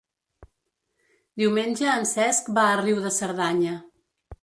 Diumenge en Cesc va a Riu de Cerdanya.